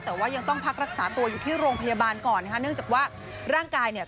แต่ว่ายังต้องพักรักษาตัวอยู่ที่โรงพยาบาลก่อนนะคะเนื่องจากว่าร่างกายเนี่ย